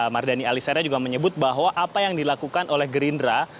mardani alisera juga menyebut bahwa apa yang dilakukan oleh gerindra